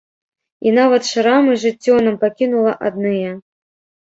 І нават шрамы жыццё нам пакінула адныя.